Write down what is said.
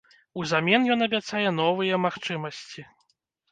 Узамен ён абяцае новыя магчымасці.